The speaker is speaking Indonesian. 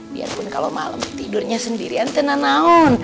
biarpun kalo malem tidurnya sendirian tena naon